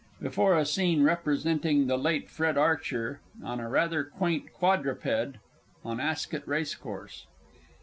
_Before a Scene representing the late Fred Archer, on a rather quaint quadruped, on Ascot Racecourse.